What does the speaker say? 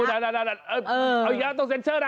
เอ้าอะไรวะต้องเซ็นเชอร์ละ